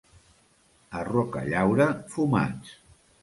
A Rocallaura, fumats.